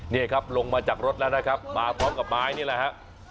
นี่ครับลงมาจากรถแล้วนะครับมาพร้อมกับไม้นี่แหละฮะ